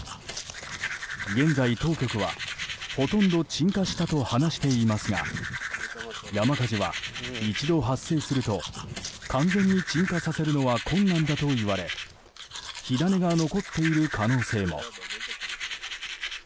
現在、当局は、ほとんど鎮火したと話していますが山火事は一度発生すると完全に鎮火させるのは困難だといわれ火種が残っている可能性も。